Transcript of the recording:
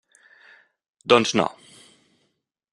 Doncs, no.